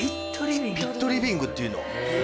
ピットリビングっていうの？